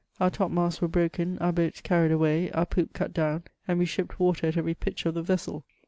Our top masts were broken, our boats carried away, our poop cut down, and we shipped water at every pitch of the vessel.